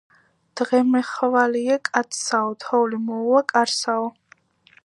დღემეხვალიე კაცსაო, თოვლი მოუვა კარსაო